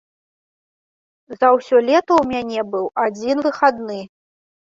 За ўсё лета ў мяне быў адзін выхадны.